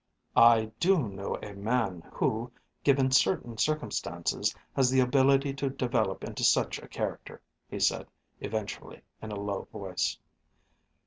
"I do know a man who, given certain circumstances, has the ability to develop into such a character," he said eventually in a low voice.